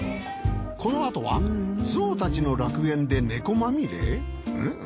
このあとはぞうたちの楽園でネコまみれ！？